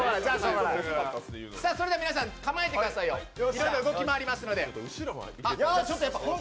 それでは皆さん構えてくださいよ、いろいろ動き回りますので。